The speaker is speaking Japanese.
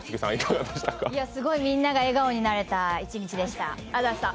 すごいみんなが笑顔になれた一日でした。